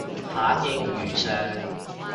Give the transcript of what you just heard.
反應如上